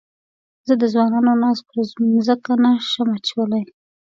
زه د ځوانانو ناز پر مځکه نه شم اچولای.